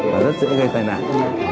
và rất dễ gây tai nạn